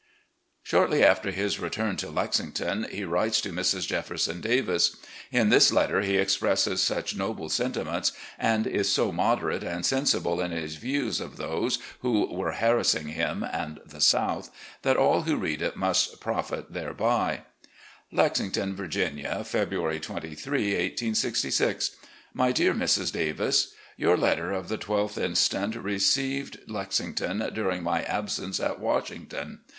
Shortly after his return to Lexington, he writes to Mrs. Jefferson Davis. In this letter he expresses such noble sentiments, and is so moderate and sensible in his views of those who were harassing him and the South, that all who read it must profit thereby : "Lexington, Virginia, February 23, 1866. "My Dear Mrs. Davis: Your letter of the 12th inst. reached Lexington during my absence at Washington.